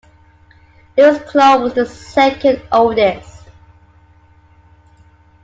Louis-Claude was the second oldest.